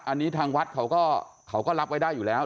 อันนี้ทางวัดเขาก็เขาก็รับไว้ได้อยู่แล้ว